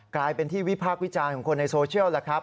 กลายเป็นที่วิพากษ์วิจารณ์ของคนในโซเชียลแล้วครับ